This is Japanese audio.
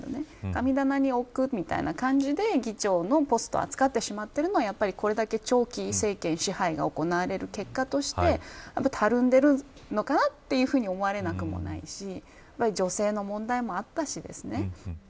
神棚に置くみたいな感じで議長のポストとして扱ってしまっているのをこれだけ、長期政権支配が行われる結果としてたるんでるのかなというふうに思われなくもないし女性の問題もあったしですね。